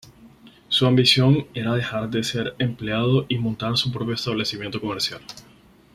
Su ambición era dejar de ser empleado y montar su propio establecimiento comercial.